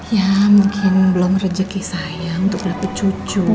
ya mungkin belum rejeki saya untuk berapa cucu